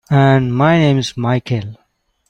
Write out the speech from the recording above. And my name's Michael.